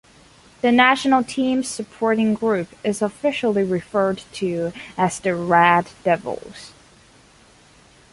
The national team's supporting group is officially referred to as the Red Devils.